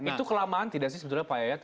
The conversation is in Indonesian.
itu kelamaan tidak sih sebetulnya pak yayat